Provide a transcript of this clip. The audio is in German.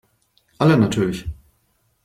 Alle natürlich.